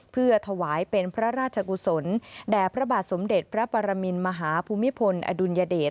เพื่อถวายเป็นพระราชกุศลแด่พระบาทสมเด็จพระปรมินมหาภูมิพลอดุลยเดช